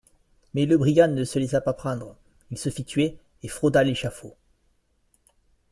Mais le brigand ne se laissa pas prendre, il se fit tuer et frauda l'échafaud.